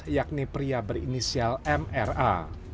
yakni pria berinisial mra